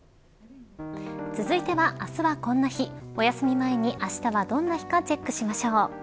続いてはあすはこんな日おやすみ前にあしたはどんな日かチェックしましょう。